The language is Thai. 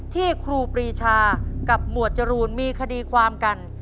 ครูปรีชากับหมวดจรูนมีคดีความกัน